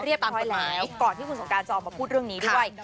ตามไปแล้วก่อนที่คุณสงการจะออกมาพูดเรื่องนี้ด้วย